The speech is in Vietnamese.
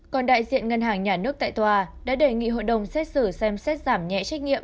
còn đại diện ngân hàng nhà nước tại tòa đã đề nghị hội đồng xét xử xem xét giảm nhẹ trách nhiệm